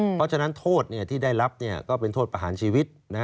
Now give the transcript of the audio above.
เพราะฉะนั้นโทษที่ได้รับก็เป็นโทษประหารชีวิต